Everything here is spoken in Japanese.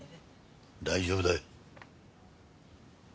大丈夫だ。